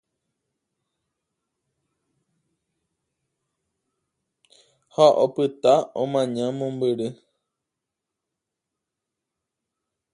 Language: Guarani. Ha opyta omaña mombyry.